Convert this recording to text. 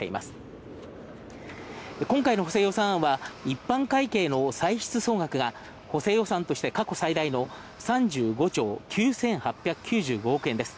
今回の補正予算案は、一般会計の歳出総額が補正予算としては過去最大の３５兆９８９５億円です。